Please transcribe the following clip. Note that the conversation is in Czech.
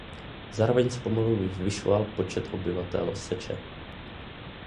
Zároveň se pomalu zvyšoval počet obyvatel Seče.